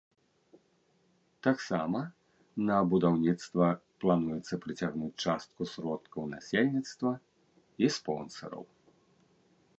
Таксама на будаўніцтва плануецца прыцягнуць частку сродкаў насельніцтва і спонсараў.